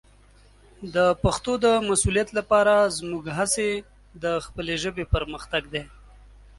د پښتو د مسوولیت لپاره زموږ هڅې د خپلې ژبې پرمختګ دی.